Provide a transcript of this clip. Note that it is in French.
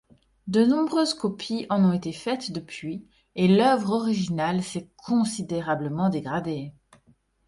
De nombreuses copies en ont été faites depuis et l’œuvre originale s'est considérablement dégradée.